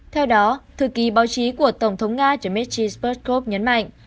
theo đó thư ký báo chí của tổng thống nga dmitry perthov nhấn mạnh